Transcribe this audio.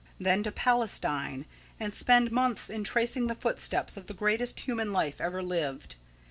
Then to Palestine, and spend months in tracing the footsteps of the greatest human life ever lived.